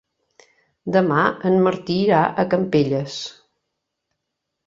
Demà en Martí irà a Campelles.